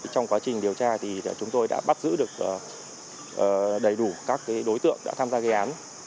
trong quá trình điều tra thì chúng tôi đã bắt giữ được đầy đủ các đối tượng đã tham gia gây án